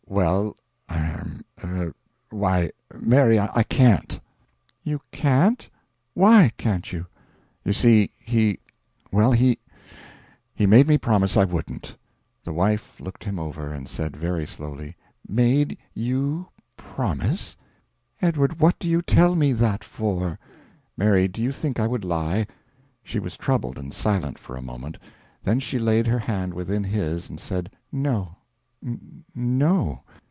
"Well er er Why, Mary, I can't!" "You CAN'T? WHY can't you?" "You see, he well, he he made me promise I wouldn't." The wife looked him over, and said, very slowly: "Made you promise? Edward, what do you tell me that for?" "Mary, do you think I would lie?" She was troubled and silent for a moment, then she laid her hand within his and said: "No... no.